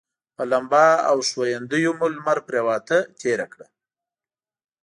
په لمبا او ښویندیو مو لمر پرېواته تېره کړه.